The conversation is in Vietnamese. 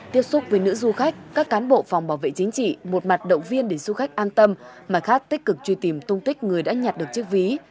tiếp xúc với nữ du khách các cán bộ phòng bảo vệ chính trị một mặt động viên để du khách an tâm mặt khác tích cực truy tìm tung tích người đã nhặt được chiếc ví